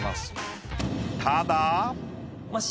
ただ。